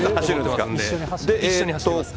一緒に走ります。